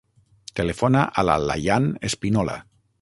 Telefona a la Layan Espinola.